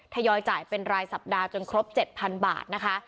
ทยอยจ่ายเป็นรายสัปดาห์จนครบ๗๐๐บาทนะคะ